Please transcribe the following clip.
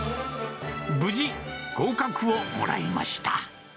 無事、合格をもらいました。